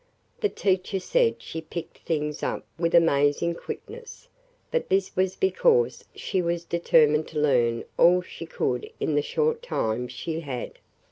The teacher said she picked things up with amazing quickness, but this was because she was determined to learn all she could in the short time she had.